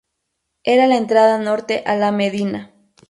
Era la entrada norte a la medina.